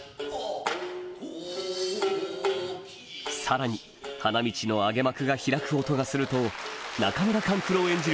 さらに花道の揚幕が開く音がすると中村勘九郎演じる